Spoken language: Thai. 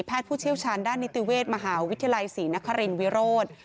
ผู้เชี่ยวชาญด้านนิติเวชมหาวิทยาลัยศรีนครินวิโรธ